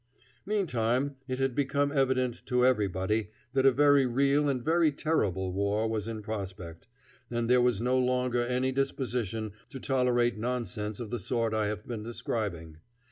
Meantime it had become evident to everybody that a very real and a very terrible war was in prospect, and there was no longer any disposition to tolerate nonsense of the sort I have been describing.